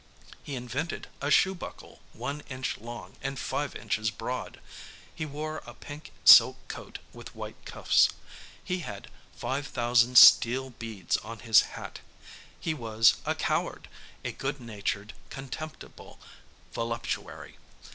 He invented a shoe buckle 1 inch long and 5 inches broad. He wore a pink silk coat with white cuffs. He had 5,000 steel beads on his hat. He was a coward, a good natured, contemptible voluptuary.